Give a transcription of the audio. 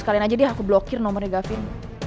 kalian aja deh aku blokir nomornya gavin